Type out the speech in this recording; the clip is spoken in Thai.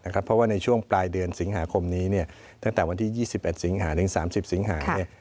เพราะว่าในช่วงปลายเดือนสิงหาคมนี้ตั้งแต่วันที่๒๑สิงหาถึง๓๐สิงหา